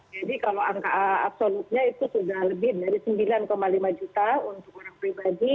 jadi kalau angka absolutnya itu sudah lebih dari sembilan lima juta untuk orang pribadi